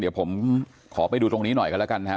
เดี๋ยวผมขอไปดูตรงนี้หน่อยกันแล้วกันนะครับ